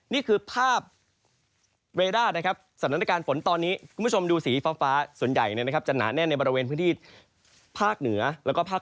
นี่คือภาพเรด้านะครับสถานการณ์ฝนตอนนี้คุณผู้ชมดูสีฟ้าส่วนใหญ่จะหนาแน่นในบริเวณพื้นที่ภาคเหนือแล้วก็ภาค